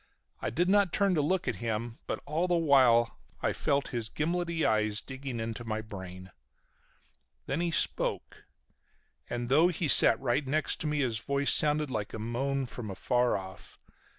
I did not turn to look at him but all the while I felt his gimlety eyes digging into my brain. Then he spoke. And though he sat right next to me his voice sounded like a moan from afar off.